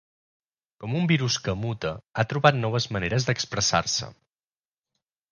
Com un virus que muta, ha trobat noves maneres d’expressar-se.